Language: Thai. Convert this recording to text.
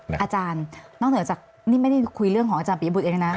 อาจารย์นอกเหนือจากนี่ไม่ได้คุยเรื่องของอาจารย์ปียบุตรเองนะ